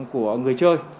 của người chơi